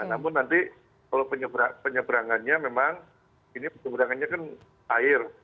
namun nanti kalau penyebrangannya memang ini penyebrangannya kan air